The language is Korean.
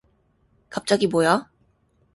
갑자기 뭐야?